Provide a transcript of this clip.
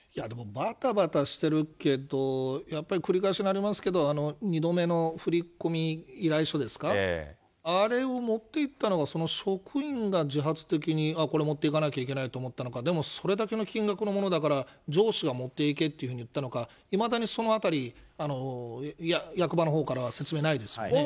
ばたばたしてるっていうと、やっぱり、繰り返しになりますけど、２度目の振り込み依頼書ですか、あれを持っていったのがその職員が自発的に、これ、持っていかなきゃいけないと思ったのか、でもそれだけの金額のものだから、上司が持っていけっていうふうに言ったのか、いまだにそのあたり、役場のほうからは説明ないですよね。